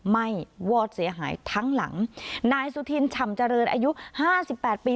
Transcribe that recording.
ไหม้วอดเสียหายทั้งหลังนายสุธินฉ่ำเจริญอายุห้าสิบแปดปี